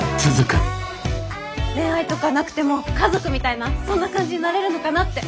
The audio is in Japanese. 恋愛とかなくても家族みたいなそんな感じになれるのかなって。